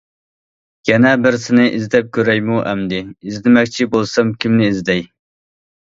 يەنە بىرسىنى ئىزدەپ كۆرەيمۇ؟ ئەمدى ئىزدىمەكچى بولسام كىمنى ئىزدەي.